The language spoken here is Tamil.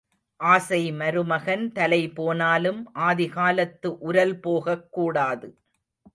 ஆசை மருமகன் தலைபோனாலும் ஆதிகாலத்து உரல் போகக் கூடாது.